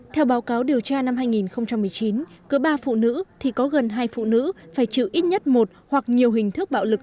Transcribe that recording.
theo báo cáo điều tra năm hai nghìn một mươi chín cỡ ba phụ nữ thì có gần hai phụ nữ phải chịu ít nhất một hoặc nhiều hình thức bạo lực